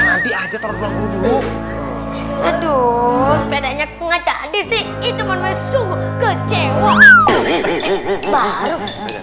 aduh sepedanya kena jadi sih itu menurut sungguh kecewa baru